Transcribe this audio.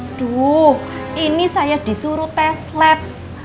aduh ini saya disuruh tes lab